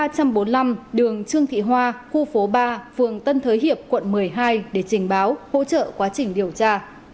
ba trăm bốn mươi năm đường trương thị hoa khu phố ba phường tân thới hiệp quận một mươi hai để trình báo hỗ trợ quá trình điều tra